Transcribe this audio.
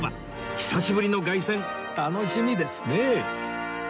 久しぶりの凱旋楽しみですねえ